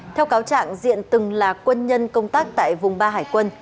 theo cáo trạng diện từng là quân nhân công tác tại vùng ba hải quân